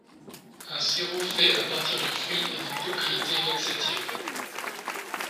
Un sirop fait à partir du fruit a des propriétés laxatives.